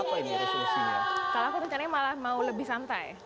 kalau aku rencananya malah mau lebih santai